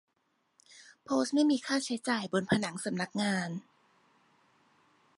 โพสต์ไม่มีค่าใช้จ่ายบนผนังสำนักงาน